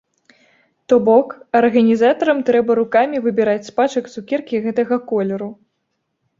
То бок, арганізатарам трэба рукамі выбіраць з пачак цукеркі гэтага колеру.